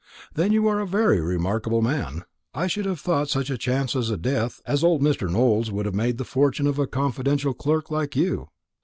"Then you are a very remarkable man. I should have thought such a chance as a death as unexpected as my as old Mr. Nowell's would have made the fortune of a confidential clerk like you."